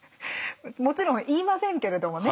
もちろん言いませんけれどもね。